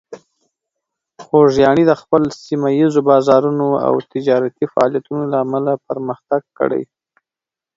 خوږیاڼي د خپل سیمه ییز بازارونو او تجارتي فعالیتونو له امله پرمختګ کړی.